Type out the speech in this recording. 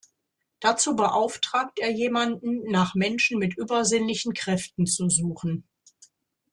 Dazu beauftragt er jemanden, nach Menschen mit übersinnlichen Kräften zu suchen.